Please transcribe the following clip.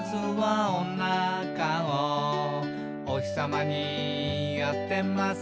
「おひさまに当てます」